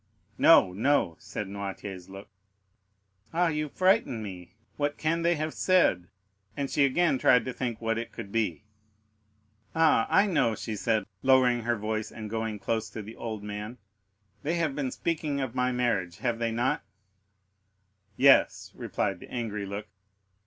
"No, no," said Noirtier's look. "Ah, you frighten me. What can they have said?" and she again tried to think what it could be. "Ah, I know," said she, lowering her voice and going close to the old man. "They have been speaking of my marriage,—have they not?" "Yes," replied the angry look.